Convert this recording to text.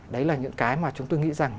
đấy là những cái mà chúng tôi nghĩ rằng